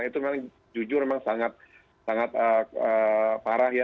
itu memang jujur memang sangat parah ya